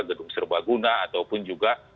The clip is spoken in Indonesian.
gedung serbaguna ataupun juga